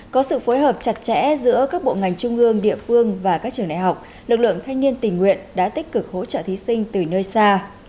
có sự phối hợp chặt chẽ giữa các bộ ngành trung ương địa phương và các trường đại học lực lượng thanh niên tình nguyện đã tích cực hỗ trợ thí sinh từ nơi xa